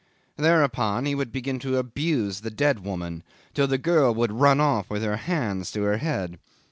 Thereupon he would begin to abuse the dead woman, till the girl would run off with her hands to her head.